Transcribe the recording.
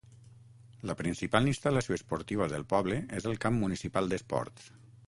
La principal instal·lació esportiva del poble és el Camp Municipal d'Esports.